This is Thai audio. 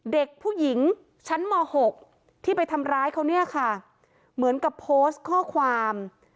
เด็กผู้หญิงชั้นม๖ที่ไปทำร้ายเขาเนี่ยค่ะเหมือนกับโพสต์ข้อความ